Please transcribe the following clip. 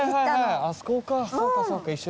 あそこか。